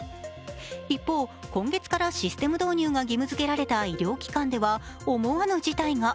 一方、今月からシステム導入が義務づけられた医療機関では思わぬ事態が。